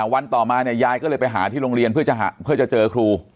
วันต่อมาเนี่ยยายก็เลยไปหาที่โรงเรียนเพื่อจะเจอครู